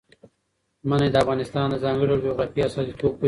منی د افغانستان د ځانګړي ډول جغرافیه استازیتوب کوي.